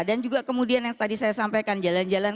dan juga kemudian yang tadi saya sampaikan jalan jalan